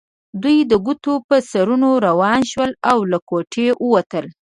دوی د ګوتو پر سرونو روان شول او له کوټې ووتل.